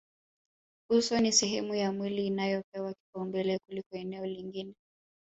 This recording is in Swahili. Uso ni sehemu ya mwili inayopewa kipaumbele kuliko eneo lingine